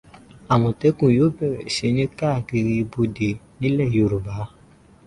Àmọ̀tẹ́kùn yóò bẹ̀rẹ̀ sí ni káàkiri ibodè nílẹ̀ Yorùbá.